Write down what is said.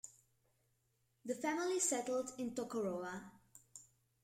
The family settled in Tokoroa.